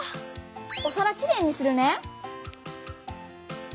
おさらきれいにするね。